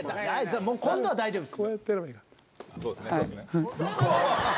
もう今度は大丈夫です。